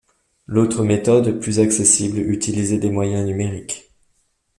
L’autre méthode, plus accessible, utilisait des moyens numériques.